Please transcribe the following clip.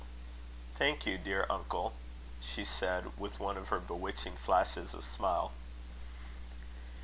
"Thank you, dear uncle," she said, with one of her bewitching flashes of smile.